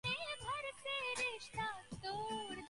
His portraits were quite traditional in style.